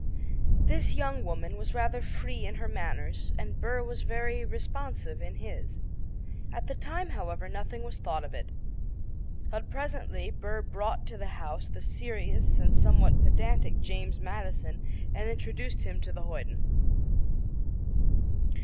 This young woman was rather free in her manners, and Burr was very responsive in his. At the time, however, nothing was thought of it; but presently Burr brought to the house the serious and somewhat pedantic James Madison and introduced him to the hoyden.